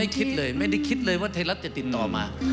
คิดเลยไม่ได้คิดเลยว่าไทยรัฐจะติดต่อมา